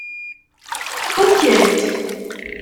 Fukken-t?